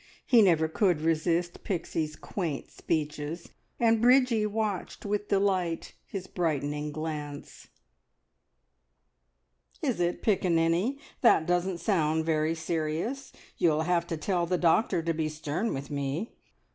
He never could resist Pixie's quaint speeches, and Bridgie watched with delight his brightening glance. "Is it, piccaninny? That doesn't sound very serious. You'll have to tell the doctor to be stern with me.